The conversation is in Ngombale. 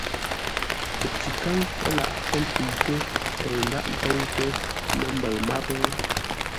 Pətíkáŋ laghʼ hó ntəitə́, kəʉ ndághʼ ntóutə məmbəʉ máp ?